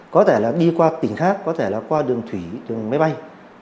có thể là đi qua tỉnh khác có thể là qua đường thủy đường máy bay